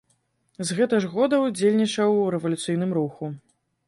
З гэта ж года ўдзельнічаў у рэвалюцыйным руху.